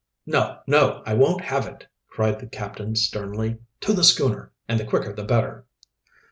"No! no! I won't have it," cried the captain sternly. "To the schooner, and the quicker the better."